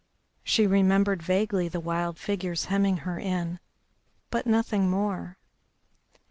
She remembered vaguely the wild figures hemming her in, but nothing more.